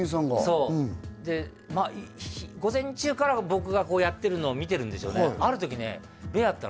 そうでまあ午前中から僕がこうやってるのを見てるんでしょうね